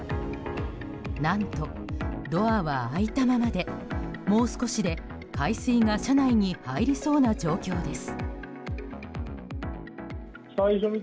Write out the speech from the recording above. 何とドアは開いたままでもう少しで海水が車内に入りそうな状況です。